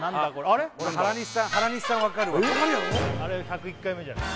あれ「１０１回目」じゃない？